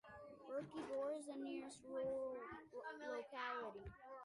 Verkhny Dor is the nearest rural locality.